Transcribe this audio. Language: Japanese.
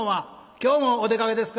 「今日もお出かけですか」。